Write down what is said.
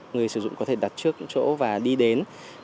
người sử dụng có thể đặt trước chỗ và đi đến